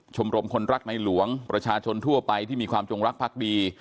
ชมรมคนรักในหลวงประชาชนทั่วไปที่มีความจงรักพักดี